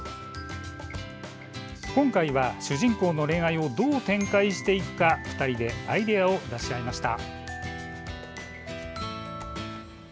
今回は、主人公の恋愛をどう展開していくか２人でアイデアを出し合いました。